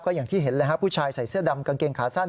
อย่างที่เห็นเลยฮะผู้ชายใส่เสื้อดำกางเกงขาสั้น